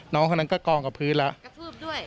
น้องคนนั้นก็กองกับพื้นแล้ว